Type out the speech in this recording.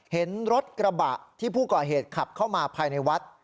เห็นรถกระบะเครือผู้ของเหตุกรรมเข้ามาภายในวัด